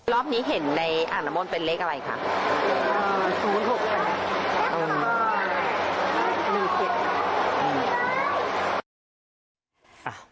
รอบนี้เห็นในอังนมลเป็นเลขอะไรค่ะ